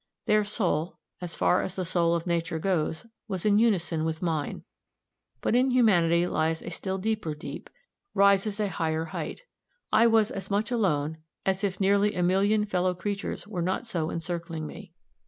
Their soul, as far as the soul of Nature goes, was in unison with mine; but in humanity lies a still deeper deep, rises a higher hight. I was as much alone as if nearly a million fellow creatures were not so encircling me.